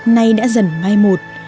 nay đã dần mai một